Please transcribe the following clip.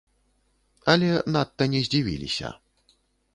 Але надта не здзівіліся.